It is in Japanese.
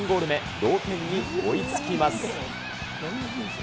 同点に追いつきます。